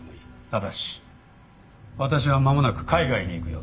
ただし私はまもなく海外に行く予定だ。